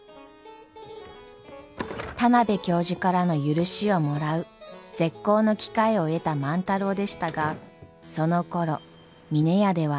田邊教授からの許しをもらう絶好の機会を得た万太郎でしたがそのころ峰屋では。